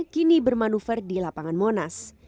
kini bermanuver di lapangan monas